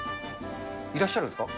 いらっしゃるんですか？